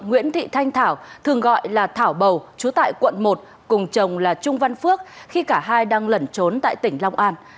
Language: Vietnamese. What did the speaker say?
nguyễn thị thanh thảo thường gọi là thảo bầu chú tại quận một cùng chồng là trung văn phước khi cả hai đang lẩn trốn tại tỉnh long an